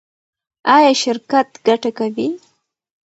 ایا شرکت ګټه کوي؟